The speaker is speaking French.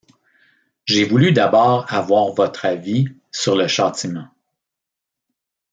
J’ai voulu d’abord avoir votre avis sur le châtiment.